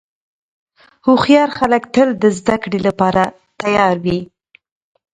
هوښیار خلک تل د زدهکړې لپاره تیار وي.